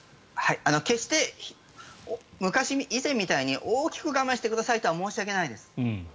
決して以前みたいに大きく我慢してくださいとは申し上げないです。